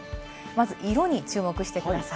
まず色に注目してください。